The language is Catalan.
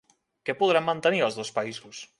Què podran mantenir els dos països?